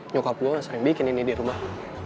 nyokap gue gak sering bikin ini di rumah